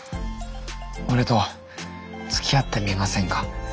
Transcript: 俺とつきあってみませんか？